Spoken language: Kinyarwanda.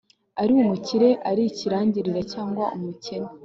ari umukire, ari ikirangirire cyangwa umukene